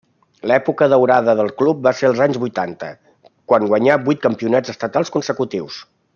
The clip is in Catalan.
L'època daurada del club va ser als anys vuitanta, quan guanyà vuit campionats estatals consecutius.